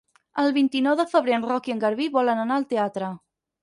El vint-i-nou de febrer en Roc i en Garbí volen anar al teatre.